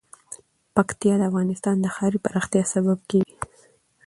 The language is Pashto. پکتیا د افغانستان د ښاري پراختیا سبب کېږي.